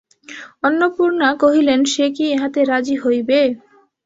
অন্নপূর্ণা কহিলেন, সে কি ইহাতে রাজী হইবে।